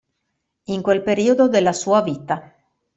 In quel periodo della sua vita.